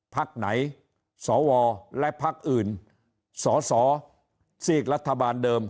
ภักดิ์ไหนศวและภักดิ์อื่นศศสีกรัฐบาลเดิม